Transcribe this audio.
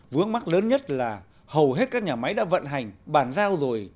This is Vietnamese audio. vướng mắt lớn nhất là hầu hết các nhà máy đã vận hành bàn giao rồi